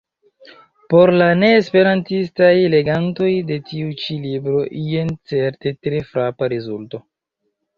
Por la ne-esperantistaj legantoj de tiu ĉi libro jen certe tre frapa rezulto.